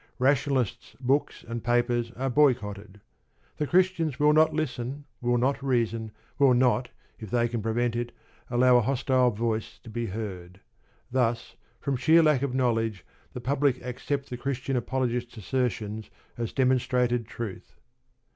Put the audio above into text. Rationalists' books and papers are boycotted. The Christians will not listen, will not reason, will not, if they can prevent it, allow a hostile voice to be heard. Thus, from sheer lack of knowledge, the public accept the Christian apologist's assertions as demonstrated truth.